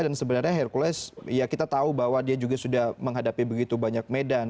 dan sebenarnya hercules ya kita tahu bahwa dia juga sudah menghadapi begitu banyak medan